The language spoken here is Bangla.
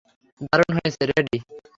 দারুণ হয়েছে রেডি।